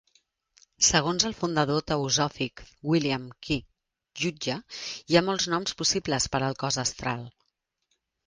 Segons el fundador teosòfic William Q. Jutge, "Hi ha molts noms possibles per al cos astral".